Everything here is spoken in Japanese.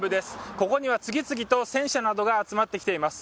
ここには次々と戦車などが集まってきています。